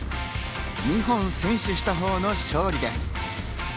二本先取したほうの勝利です。